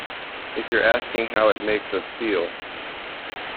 If you're asking how it makes us feel?